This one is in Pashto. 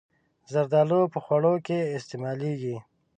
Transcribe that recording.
زردالو په خوړو کې استعمالېږي.